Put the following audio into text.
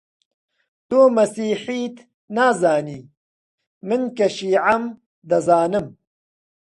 تۆ مەسیحیت نازانی، من کە شیعەم دەزانم: